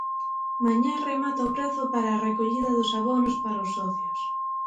Mañá remata o prazo para a recollida dos abonos para os socios.